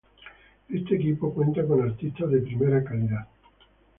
Este equipo cuenta con artistas de primera calidad".